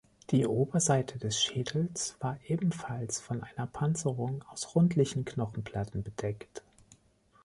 Die Oberseite des Schädels war ebenfalls von einer Panzerung aus rundlichen Knochenplatten bedeckt.